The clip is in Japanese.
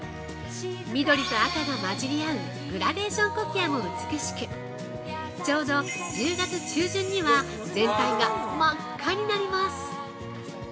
緑と赤が混じり合うグラデーションコキアも美しく、ちょうど１０月中旬には全体が真っ赤になります。